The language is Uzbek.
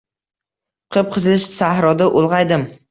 Qip-qizil sahroda ulgʼaydim.